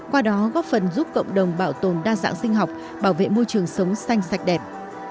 qua đó góp phần giúp cộng đồng bảo tồn đa dạng sinh học bảo vệ môi trường sống xanh sạch đẹp